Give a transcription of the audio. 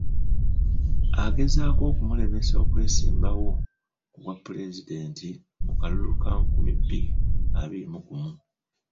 Agezaako okumulemesa okwesimbawo ku bwapulezidenti mu kalulu ka nkumi bbiri abiri mu gumu.